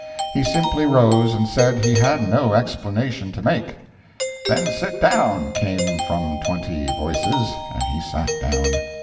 He simply rose and said he had no explanation to make. ["Then sit down!" came from twenty voices, and he sat down.